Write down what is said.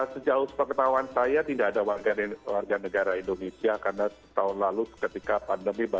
sejauh sepengetahuan saya tidak ada warga negara indonesia karena setahun lalu ketika pandemi